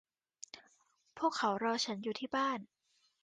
พวกเขารอฉันอยู่ที่บ้าน